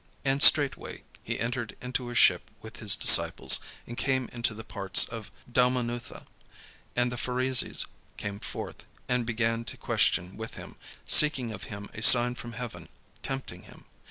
And straightway he entered into a ship with his disciples, and came into the parts of Dalmanutha. And the Pharisees came forth, and began to question with him, seeking of him a sign from heaven, tempting him.